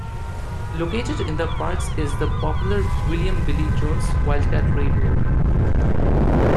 Located in the parks is the popular William "Billy" Jones Wildcat Railroad.